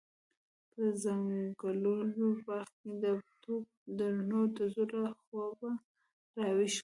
په څنګلوري باغ کې د توپ درنو ډزو له خوبه راويښ کړم.